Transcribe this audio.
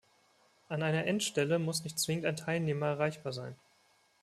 An einer Endstelle muss nicht zwingend ein Teilnehmer erreichbar sein.